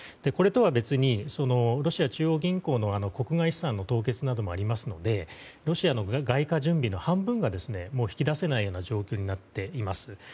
これとは別にロシア中央銀行の国外資産の凍結などもありますのでロシアの外貨準備の半分がもう引き出せない状況になっています。